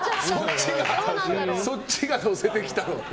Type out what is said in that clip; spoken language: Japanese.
そっちがのせてきたろって。